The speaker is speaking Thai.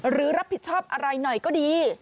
รับผิดชอบอะไรหน่อยก็ดี